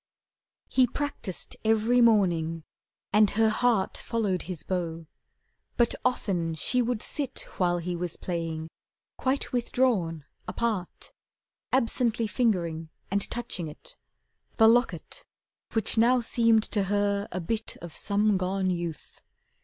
He practised every morning and her heart Followed his bow. But often she would sit, While he was playing, quite withdrawn apart, Absently fingering and touching it, The locket, which now seemed to her a bit Of some gone youth.